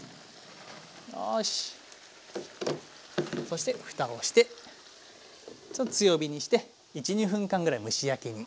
そしてふたをしてちょっと強火にして１２分間ぐらい蒸し焼きに。